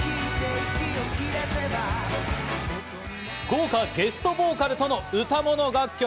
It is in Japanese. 豪華ゲストボーカルとの歌モノ楽曲。